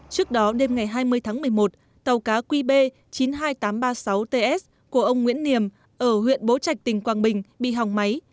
trước đó đêm ngày hai mươi tháng một mươi một tàu cá qb chín mươi hai nghìn tám trăm ba mươi sáu ts của ông nguyễn niềm ở huyện bố trạch tỉnh quảng bình bị hỏng máy